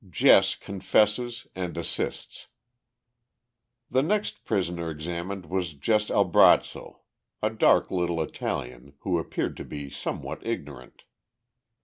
Jess Confesses and Assists The next prisoner examined was Jess Albrazzo, a dark little Italian, who appeared to be somewhat ignorant.